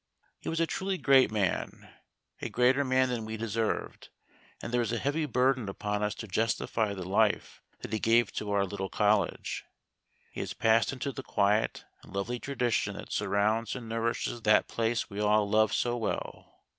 He was a truly great man. A greater man than we deserved, and there is a heavy burden upon us to justify the life that he gave to our little college. He has passed into the quiet and lovely tradition that surrounds and nourishes that place we all love so well.